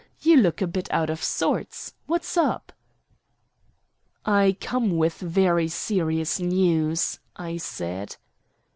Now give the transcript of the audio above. You look a bit out of sorts. What's up?" "I come with very serious news," I said.